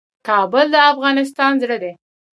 کابل د افغانستان زړه دی